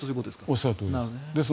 おっしゃるとおりです。